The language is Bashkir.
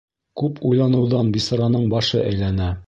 ...Күп уйланыуҙан бисараның башы әйләнә.